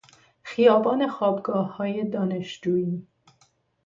خیابان خوابگاههای دانشجویی